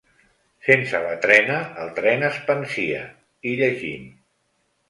"Sense la trena, el tren es pansia", hi llegim.